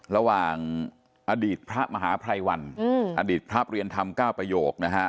ระหว่างอดีตพระมหาภัยวันอดีตพระเรียนธรรม๙ประโยคนะฮะ